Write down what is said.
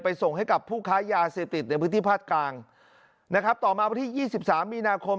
ไปส่งให้กับผู้ค้ายาเสพติดในพื้นที่พลาดกลางนะครับต่อมาวันที่๒๓มีนาคม